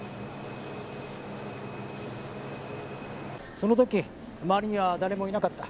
その時周りには誰もいなかった？